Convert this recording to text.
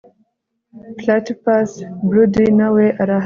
platypus broody nawe arahari